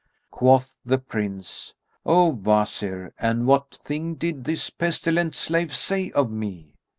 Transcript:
Quoth the Prince, "O Wazir, and what thing did this pestilent slave say of me?"